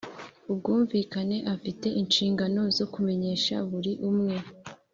ubwumvikane afite inshingano zo kumenyesha buri umwe